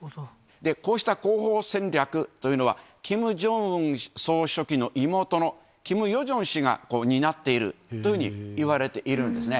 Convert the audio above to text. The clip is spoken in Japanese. こうした広報戦略というのは、キム・ジョンウン総書記の妹のキム・ヨジョン氏が担っているというふうにいわれているんですね。